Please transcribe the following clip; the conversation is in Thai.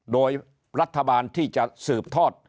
โดยรัฐบาลที่จะสืบทอด